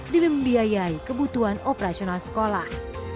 dibebayai kebutuhan operasional sekolah